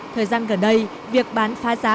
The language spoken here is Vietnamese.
thời gian gần đây việc bán phá giá